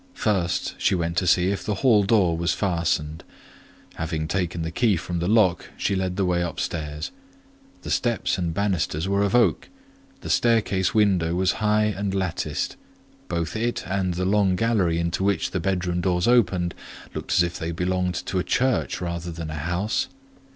First she went to see if the hall door was fastened; having taken the key from the lock, she led the way upstairs. The steps and banisters were of oak; the staircase window was high and latticed; both it and the long gallery into which the bedroom doors opened looked as if they belonged to a church rather than a house.